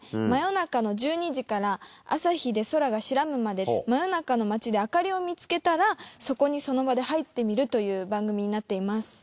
真夜中の１２時から朝日で空がしらむまで真夜中の街で灯りを見つけたらそこにその場で入ってみるという番組になっています。